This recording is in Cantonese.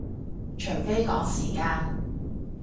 除非趕時間